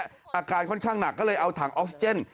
อาการค่อนข้างหนักก็เลยเอาถังออกซิเจน